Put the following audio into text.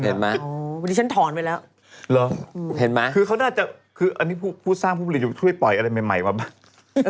อ๋อวันนี้ฉันถอนไปแล้วคือเขาน่าจะคืออันนี้ผู้สร้างผู้ผลิตอยู่ช่วยปล่อยอะไรใหม่มาบ้าง